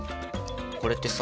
これってさ。